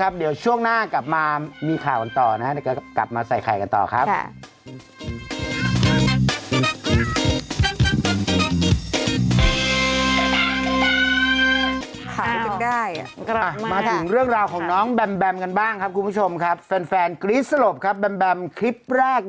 ของผมนี่วันแพลกเลยครับ